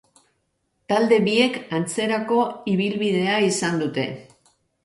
Talde biek antzerako ibilbidea izan dute.